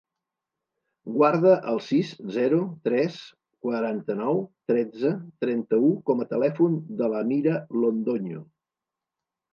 Guarda el sis, zero, tres, quaranta-nou, tretze, trenta-u com a telèfon de l'Amira Londoño.